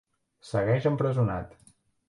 Segueix empresonat.